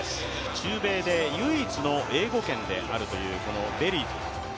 中米で唯一の英語圏であるというベリーズ。